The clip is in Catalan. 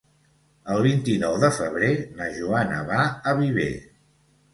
El vint-i-nou de febrer na Joana va a Viver.